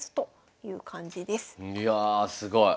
いやすごい。